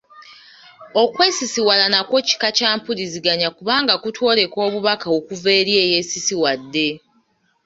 Okwesisiwala nakwo kika kya mpuliziganya kubanga kutwoleka obubaka okuva eri eyeesisiwadde.